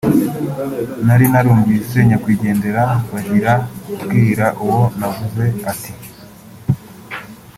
nari narumvise nyakwigendera Bagire abwira uwo ntavuze ati